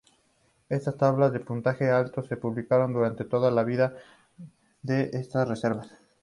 Estas tablas de puntaje alto se publicaron durante toda la vida de estas revistas.